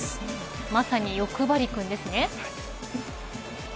まさによくばり君ですね。